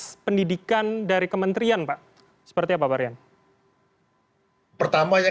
bagaimana anda melihatnya dan apakah kemudian hal ini fakta ini juga memperlihatkan tidak jelasnya prioritasnya